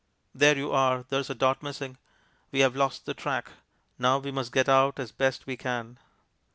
There you are, there's a dot missing. We have lost the track. Now we must get out as best we can.